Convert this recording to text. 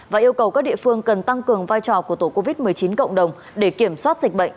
và yêu cầu các địa phương cần tăng cường vai trò của tổ covid một mươi chín cộng đồng để kiểm soát dịch bệnh